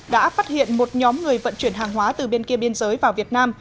đã phát hiện một nhóm người vận chuyển hàng hóa từ bên kia biên giới vào việt nam